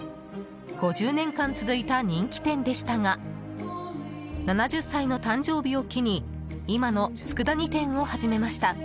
５０年間続いた人気店でしたが７０歳の誕生日を機に今の佃煮店を始めました。